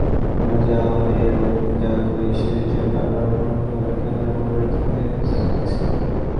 আমরা যাহা হই এবং যাহা করি, সে-সবই বারংবার সামান্য পরিবর্তিত আকারে পুনরাবর্তিত হইতেছে।